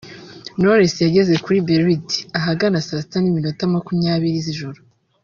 Knowless yageze kuri Beirut ahagana saa sita n’iminota makumyabiri z’ijoro